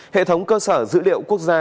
hệ thống cơ sở dữ liệu quốc gia